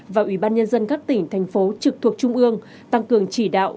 và ủy ban nhân dân các tỉnh thành phố trực thuộc trung ương tăng cường chỉ đạo